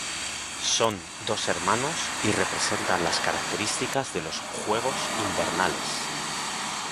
Son dos hermanos y representan las características de los Juegos Invernales.